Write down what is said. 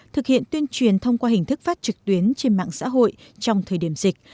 thực hiện tuyên truyền thông qua hình thức phát trực tuyến trên mạng xã hội trong thời điểm dịch